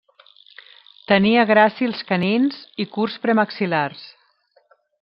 Tenia gràcils canins i curts premaxil·lars.